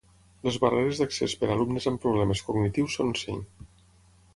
Les barreres d’accés per alumnes amb problemes cognitius són cinc.